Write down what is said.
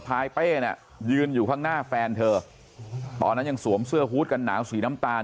พายเป้น่ะยืนอยู่ข้างหน้าแฟนเธอตอนนั้นยังสวมเสื้อฮูตกันหนาวสีน้ำตาล